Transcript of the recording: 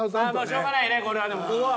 しょうがないねこれは。